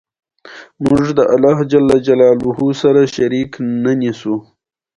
د مالوماتو پروسس ځانګړې تکتیکونه درلودل.